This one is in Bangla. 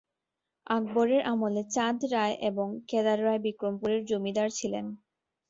আকবরের আমলে চাঁদ রায় এবং কেদার রায় বিক্রমপুরের জমিদার ছিলেন।